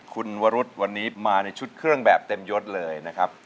คุณวรุษวันนี้มาในชุดเครื่องแบบเต็มยดเลยนะครับ